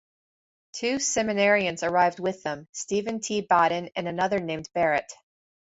Two seminarians arrived with them, Stephen T. Badin and another named Barret.